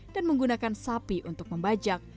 dan menggunakan sapi untuk membajak